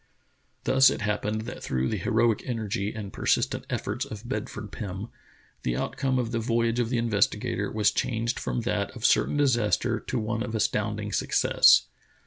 Thus it happened that through the heroic energy and persistent efforts of Bedford Pim, the outcome of the voyage of the Investigator* was changed from that of certain disaster to one of astounding success.